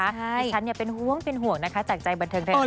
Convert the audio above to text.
ดิฉันเนี่ยเป็นห่วงเป็นห่วงนะคะจากใจบันเทิงไทยรัฐมีน